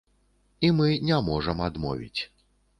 І мы не можам адмовіць.